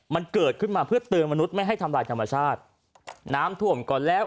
มันเกิดขึ้นมาเพื่อเตือนมนุษย์ไม่ให้ทำลายธรรมชาติน้ำท่วมก่อนแล้ว